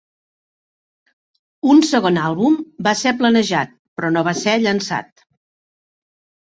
Un segon àlbum va ser planejat però no va ser llançat.